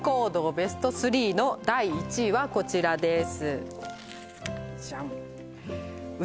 ベスト３の第１位はこちらですジャン！